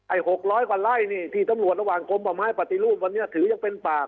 ๖๐๐กว่าไร่นี่ที่ตำรวจระหว่างกรมป่าไม้ปฏิรูปวันนี้ถือยังเป็นป่า